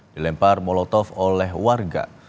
dilempar molotov oleh warga